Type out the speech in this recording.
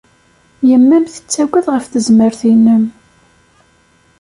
Yemma-m tettagad ɣef tezmert-nnem.